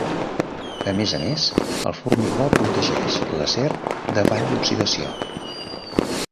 A més a més, el formigó protegeix l'acer davant l'oxidació.